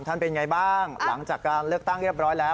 เป็นไงบ้างหลังจากการเลือกตั้งเรียบร้อยแล้ว